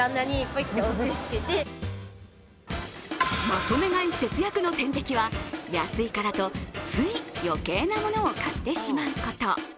まとめ買い節約の天敵は安いからとつい余計なものを買ってしまうこと。